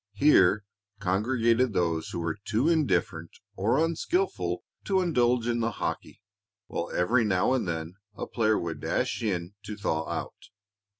Here congregated those who were too indifferent or unskilful to indulge in hockey, while every now and then a player would dash in to thaw out.